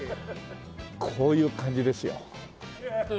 こういう感じですよ。